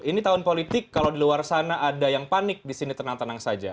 ini tahun politik kalau di luar sana ada yang panik di sini tenang tenang saja